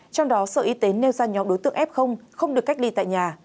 trong đó sở y tế nêu ra nhóm đối tượng f không được cách ly tại nhà